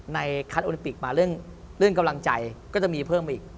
คัดโอลิมปิกมาเรื่องกำลังใจก็จะมีเพิ่มไปอีก